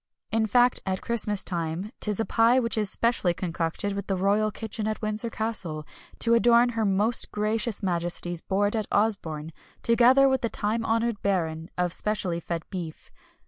In fact, at Christmas time, 'tis a pie which is specially concocted in the royal kitchen at Windsor Castle, to adorn Her Most Gracious Majesty's board at Osborne, together with the time honoured baron of specially fed beef.